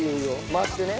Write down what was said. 回してね。